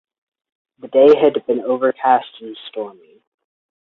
The day had been overcast and stormy.